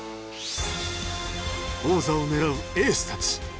王座を狙うエースたち。